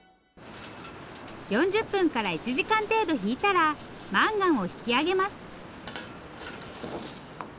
４０分から１時間程度ひいたらマンガンを引きあげます。